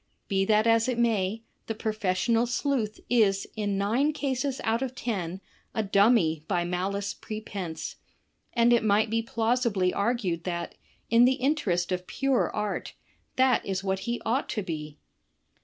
Be that as it may, the professional sleuth is in nine cases out of ten a dummy by malice prepense; and it might be plausibly argued that, in the interest of pure art, that is what he ought to be.